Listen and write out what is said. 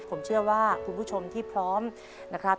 ผมเชื่อว่าคุณผู้ชมที่พร้อมนะครับ